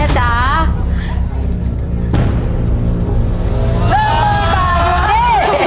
เฮ้ยสี่บาทอยู่นี่